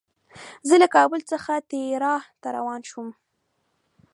زه له کابل څخه تیراه ته روان شوم.